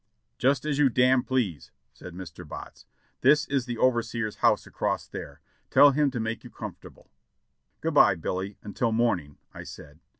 "Just as you damn please," said Mr. Botts. "There is the over seer's house across there. Tell him to make you comfortable." "Good by, Billy, until morning," I said.